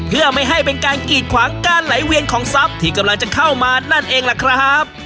เพื่อไม่ให้เป็นการกีดขวางการไหลเวียนของทรัพย์ที่กำลังจะเข้ามานั่นเองล่ะครับ